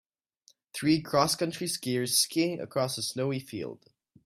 Three crosscountry skiers skiing across a snowy field.